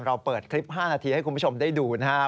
เปิดคลิป๕นาทีให้คุณผู้ชมได้ดูนะครับ